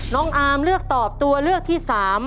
น้องอาร์มเลือกตอบตัวเลือกที่๓